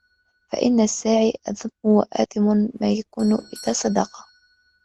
فَإِنَّ السَّاعِيَ أَذَمُّ وَآثَمُ مَا يَكُونُ إذَا صَدَقَ